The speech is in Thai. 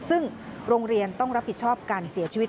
ซึ่งโรงเรียนต้องรับผิดชอบการเสียชีวิต